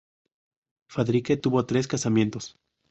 Fadrique tuvo tres casamientos.